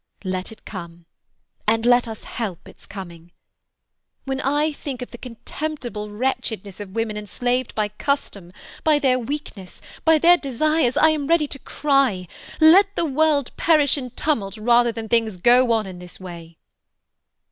Let it come, and let us help its coming. When I think of the contemptible wretchedness of women enslaved by custom, by their weakness, by their desires, I am ready to cry, Let the world perish in tumult rather than things go on in this way!"